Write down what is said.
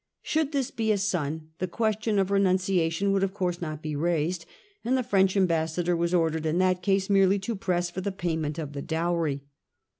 Should this be a son the question of renunciation would of course not be raised, and the French ambassador was ordered in that case merely to press for the payment of the dowry.